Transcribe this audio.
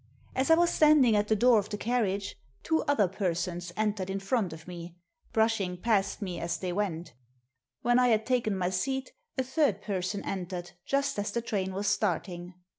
As I was standing at the door of the carriage two other persons entered in front of me^brushing past me as they went When I had taken my seat a third person entered just as the train was starting.